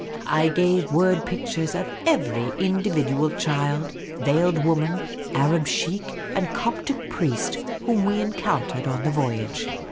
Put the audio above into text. I gave word pictures of every individual child, veiled woman, Arab sheikh, and Coptic priest whom we encountered on the voyage.